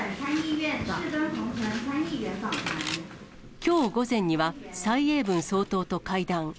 きょう午前には、蔡英文総統と会談。